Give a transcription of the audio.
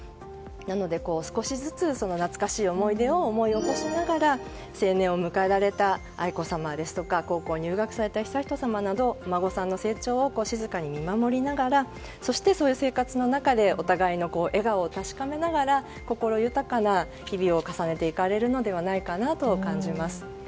なので少しずつ懐かしい思い出を思い起こしながら成年を迎えられた愛子さまですとか高校入学された悠仁さまなどお孫さんの成長を静かに見守りながらそしてそういう生活の中でお互いの笑顔を確かめながら心豊かな日々を重ねていくのではないかと感じます。